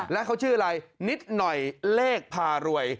แล้วเขาชื่ออะไรนิดหน่อยเลขพารวย